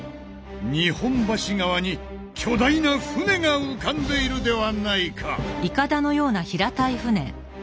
日本橋川に巨大な船が浮かんでいるではないか！